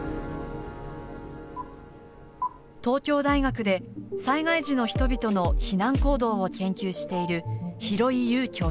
東京大学で災害時の人々の避難行動を研究している廣井悠教授。